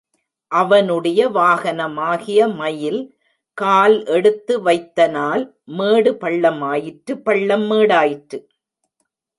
அவனுடைய வாகனமாகிய மயில் கால் எடுத்து வைத்தனால் மேடு பள்ளமாயிற்று பள்ளம் மேடாயிற்று.